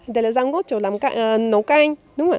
đây là rào ngốt để nấu canh